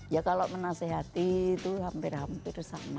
ya kalau menasehati itu hampir hampir sama